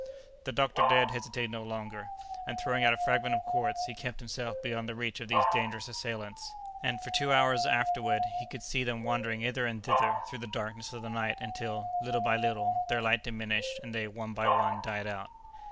The doctor dared hesitate no longer; and, throwing out a fragment of quartz, he kept himself beyond the reach of these dangerous assailants; and, for two hours afterward, he could see them wandering hither and thither through the darkness of the night, until, little by little, their light diminished, and they, one by one, died out.